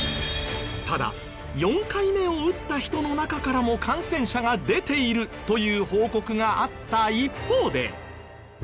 ただ４回目を打った人の中からも感染者が出ているという報告があった一方で。